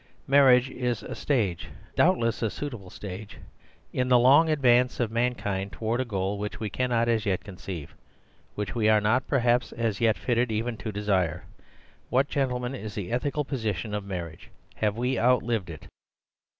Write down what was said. Marriage is a stage—doubtless a suitable stage—in the long advance of mankind towards a goal which we cannot as yet conceive; which we are not, perhaps, as yet fitted even to desire. What, gentlemen, is the ethical position of marriage? Have we outlived it?"